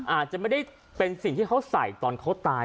อาจจะไม่ได้เป็นสิ่งที่เขาใส่ตอนเขาตาย